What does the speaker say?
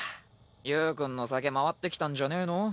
ゆーくんの酒回ってきたんじゃねぇの？